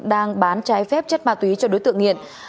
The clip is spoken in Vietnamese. đang bán trái phép chất ma túy cho đối tượng nghiện